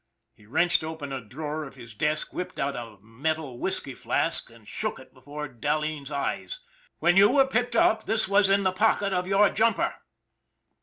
He wrenched open a drawer of his desk, whipped out a metal whisky flask, and shook it before Dahleen's eyes. " When you were picked up this was in the pocket of your jumper!